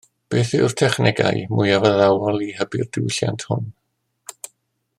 Beth yw'r technegau mwyaf addawol i hybu'r diwylliant hwn?